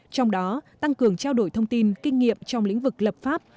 trong đó tăng cường trao đổi thông tin kinh nghiệm trong lĩnh vực lập pháp